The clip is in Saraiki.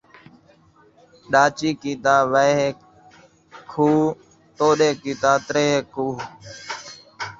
ݙاچی کیتا ویہہ کوہ ، توݙے کیتا تریہہ کوہ